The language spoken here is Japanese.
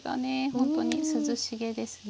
ほんとに涼しげですね。